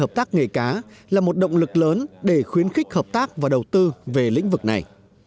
hợp tác nghề cá là một động lực lớn để khuyến khích hợp tác và đầu tư về lĩnh vực này